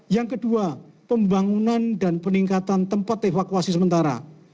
yang kedua pembangunan dan peningkatan tempat evakuasi sementara